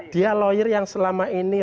dia lawyer yang selama ini